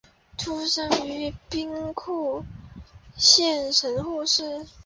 出身于兵库县神户市。